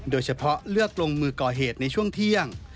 โดยเฉพาะเลือกลงมือก่อเหตุในช่วงเที่ยง